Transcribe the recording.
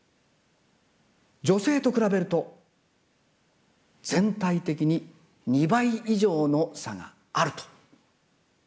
女性と比べると全体的に２倍以上の差があると。